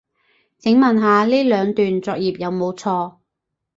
請問下呢兩段作業有冇錯